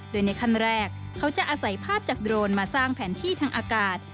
โดยในขั้นแรกเขาจะอาศัยภาพจากโดรนมาสร้างแผนที่ทางอากาศ